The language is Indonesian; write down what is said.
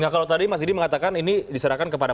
kalau tadi mas gidi mengatakan ini diserahkan kepada